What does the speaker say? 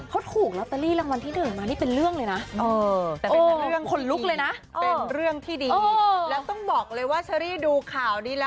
เขาถูกลอตเตอรี่รางวัลที่๑มานี่เป็นเรื่องเลยนะ